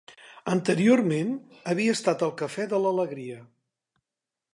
Anteriorment havia estat el Cafè de l'Alegria.